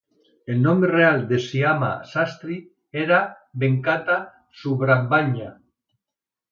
El nom real de Syama Sastri era Venkata Subrahmanya.